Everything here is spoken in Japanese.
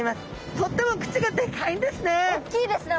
とっても口がでかいんですね。